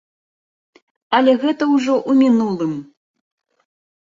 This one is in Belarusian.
Але гэта ўжо ў мінулым.